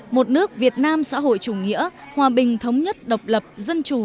một nước việt nam xã hội chủ nghĩa hòa bình thống nhất độc lập dân chủ